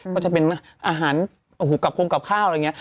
ก็จะเป็นอาหารกลับคลมกลับข้าวอะไรอย่างนี้